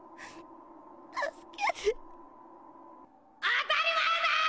当たり前だー！！